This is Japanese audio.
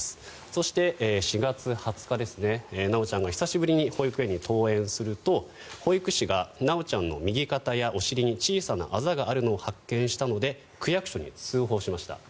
そして４月２０日、修ちゃんが久しぶりに保育園に登園すると保育士が修ちゃんの右肩やお尻に小さなあざがあるのを発見したので区役所に通報しました。